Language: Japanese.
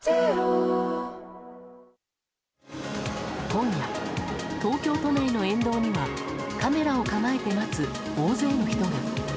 今夜、東京都内の沿道にはカメラを構えて待つ大勢の人が。